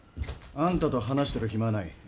あんたと話してる暇はない。